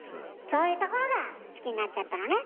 そういうところが好きになっちゃったのね？